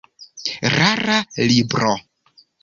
Rara libro.